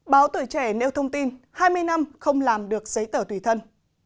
báo tuổi trẻ nêu thông tin hai mươi năm không làm được giấy tờ tùy thân